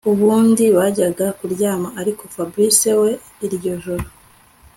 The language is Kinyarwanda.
ubundi bajya kuryama ariko Fabric we iryo joro